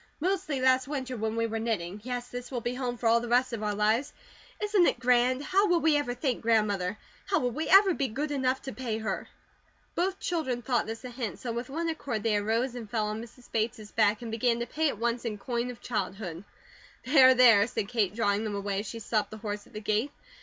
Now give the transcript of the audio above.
"Mostly last winter when we were knitting. Yes, this will be home for all the rest of our lives. Isn't it grand? How will we ever thank Grandmother? How will we ever be good enough to pay her?" Both children thought this a hint, so with one accord they arose and fell on Mrs. Bates' back, and began to pay at once in coin of childhood. "There, there," said Kate, drawing them away as she stopped the horse at the gate.